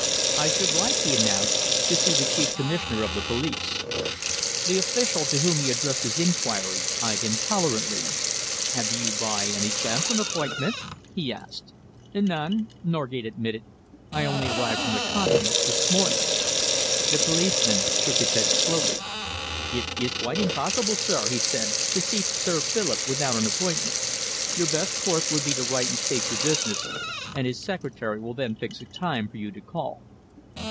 "I should like," he announced, "to see the Chief Commissioner of the Police." The official to whom he addressed his enquiry eyed him tolerantly. "Have you, by any chance, an appointment?" he asked. "None," Norgate admitted. "I only arrived from the Continent this morning." The policeman shook his head slowly. "It is quite impossible, sir," he said, "to see Sir Philip without an appointment. Your best course would be to write and state your business, and his secretary will then fix a time for you to call."